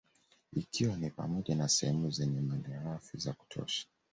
Ikiwa ni pamoja na sehemu zenye malighafi za kutosha